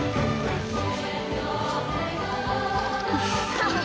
アハハハ！